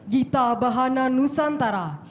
gita bahana nusantara